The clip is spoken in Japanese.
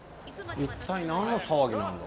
一体何の騒ぎなんだ？